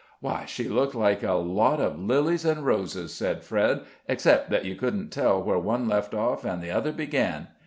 "Why, she looked like a lot of lilies and roses," said Fred, "except that you couldn't tell where one left off and the other began.